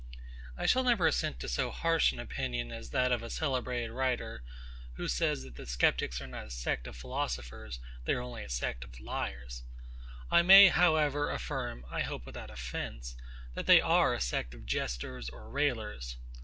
I shall never assent to so harsh an opinion as that of a celebrated writer [L'Arte de penser], who says, that the Sceptics are not a sect of philosophers: They are only a sect of liars. I may, however, affirm (I hope without offence), that they are a sect of jesters or raillers.